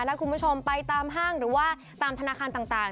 แล้วคุณผู้ชมไปตามห้างหรือว่าตามธนาคารต่าง